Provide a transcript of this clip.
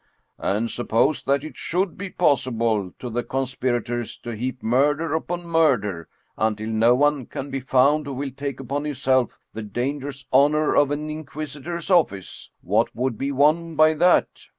" And suppose that it should be possible to the conspir ators to heap murder upon murder, until no one can be found who will take upon himself the dangerous honor of. an inquisitor's office what would be won by that?